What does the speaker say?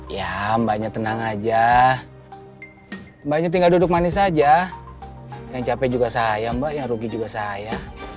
ya mbaknya tenang aja mbaknya tinggal duduk manis saja yang capek juga saya mbak yang rugi juga saya